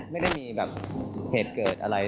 ไม่ได้มีแบบเหตุเกิดอะไร